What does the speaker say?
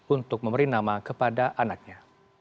untuk memberi nama kepada anaknya